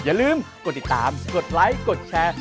อย่าลืมกดติดตามกดไลค์กดแชร์